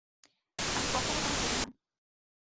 আমি কখনও তাহা করি না।